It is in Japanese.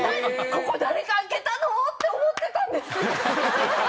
ここ誰か空けたの？って思ってたんですよ。